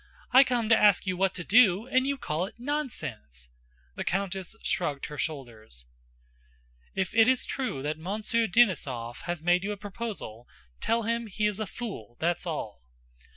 "I come to ask you what to do, and you call it 'nonsense!'" The countess shrugged her shoulders. "If it is true that Monsieur Denísov has made you a proposal, tell him he is a fool, that's all!"